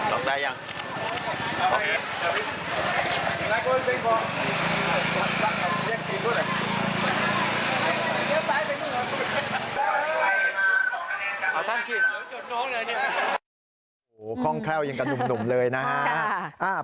โอ้โฮคล่องแคล่วยังกันหนุ่มเลยนะครับ